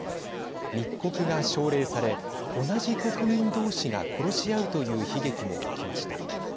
密告が奨励され同じ国民同士が殺し合うという悲劇も起きました。